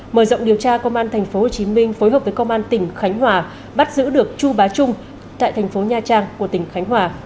mở rộng điều tra công an tp hcm phối hợp với công an tỉnh khánh hòa bắt giữ được chu bá trung tại thành phố nha trang của tỉnh khánh hòa